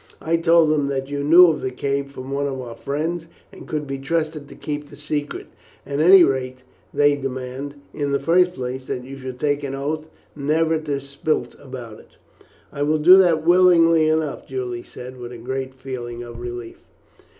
I told them that you knew of the cave from one of our friends, and could be trusted to keep the secret; at any rate they demand, in the first place, that you shall take an oath never to split about it." "I will do that willingly enough," Julian said, with a great feeling of relief.